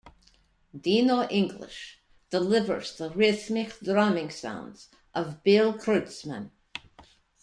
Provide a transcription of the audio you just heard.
Dino English delivers the rhythmic drumming sounds of Bill Kreutzmann.